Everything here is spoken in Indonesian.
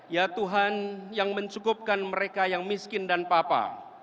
ya tuhan yang mencukupkan mereka yang miskin dan papa